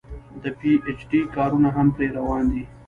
د پي ايچ ډي کارونه هم پرې روان دي